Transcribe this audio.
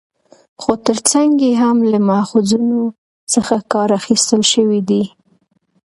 خو تر څنګ يې هم له ماخذونو څخه کار اخستل شوى دى